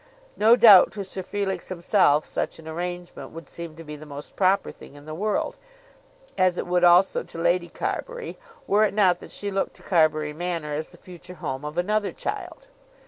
No doubt to Sir Felix himself such an arrangement would seem to be the most proper thing in the world, as it would also to Lady Carbury were it not that she looked to Carbury Manor as the future home of another child.